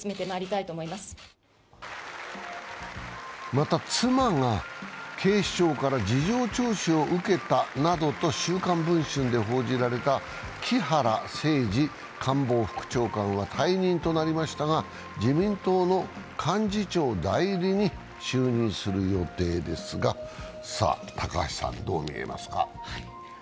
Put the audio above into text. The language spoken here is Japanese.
また、妻が警視庁から事情聴取を受けたなどと、「週刊文春」で報じられた木原誠二官房副長官は退任となりましたが、自民党の幹事長代理に就任する予定ですが、どう見えますか。